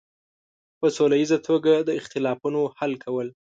په سوله ییزه توګه د اختلافونو حل کول.